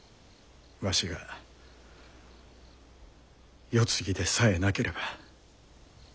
わしが世継ぎでさえなければ。